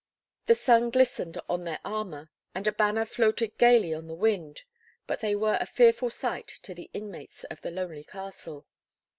The sun glistened on their armour, and a banner floated gaily on the wind; but they were a fearful sight to the inmates of the lonely castle.